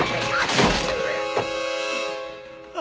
あ！